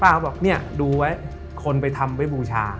เขาบอกเนี่ยดูไว้คนไปทำไว้บูชา